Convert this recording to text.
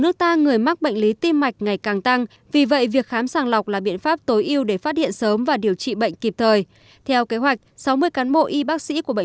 ở nước ta người mắc bệnh lý tim mạch ngày càng tăng vì vậy việc khám sàng lọc là biện pháp tối ưu để phát hiện sớm và điều trị bệnh kịp thời